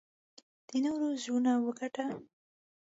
د نورو زړونه وګټه .